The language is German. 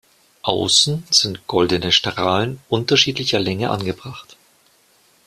Außen sind goldene Strahlen unterschiedlicher Länge angebracht.